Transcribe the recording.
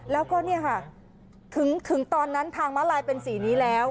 แล้วก็เนี่ยค่ะถึงตอนนั้นทางม้าลายเป็นสีนี้แล้ว